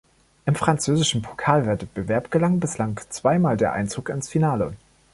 Im französischen Pokalwettbewerb gelang bislang zweimal der Einzug ins Finale.